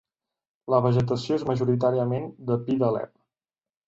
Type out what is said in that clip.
La vegetació és majoritàriament de pi d'Alep.